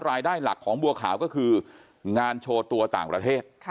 รายได้หลักของบัวขาวก็คืองานโชว์ตัวต่างประเทศ